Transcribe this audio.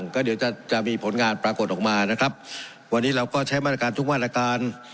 ก็เดี๋ยวจะจะมีผลงานปรากฏออกมานะครับวันนี้เราก็ใช้มาตรการทุกมาตรการ